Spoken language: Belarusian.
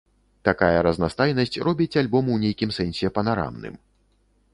Такая разнастайнасць робіць альбом у нейкім сэнсе панарамным.